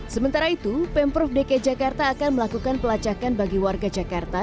sementara itu pemprov dki jakarta akan melakukan pelacakan bagi warga jakarta